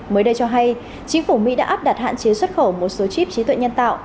mới đây cho hay chính phủ mỹ đã áp đặt hạn chế xuất khẩu một số chip trí tuệ nhân tạo